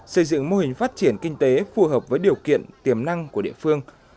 xây dựng mô hình phát triển kinh tế phù hợp với điều kiện tiềm năng của địa phương